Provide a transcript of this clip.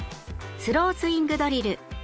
スロースイングドリル。